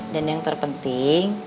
dan yang terpenting